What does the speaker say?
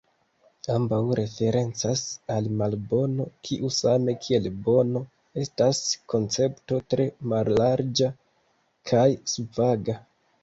Ambaŭ referencas al malbono, kiu same kiel bono, estas koncepto tre mallarĝa kaj svaga.